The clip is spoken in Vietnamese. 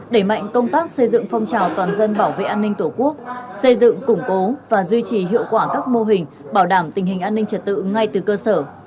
đẩy mạnh công tác xây dựng phong trào toàn dân bảo vệ an ninh tổ quốc xây dựng củng cố và duy trì hiệu quả các mô hình bảo đảm tình hình an ninh trật tự ngay từ cơ sở